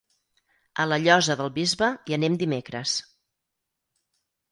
A la Llosa del Bisbe hi anem dimecres.